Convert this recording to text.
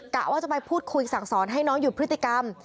กะว่าจะไปพูดคุยสั่งสอนให้น้องหยุดพฤติกรรม